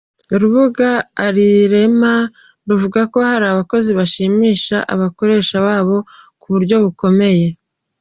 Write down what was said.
Urubuga Elcrema ruvuga ko hari abakozi bashimisha abakoresha babo ku buryo bukomeye.